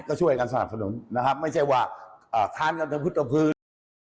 ก็ช่วยกันสนับสนุนนะครับไม่ใช่ว่าทานกันทั้งพุทธพื้น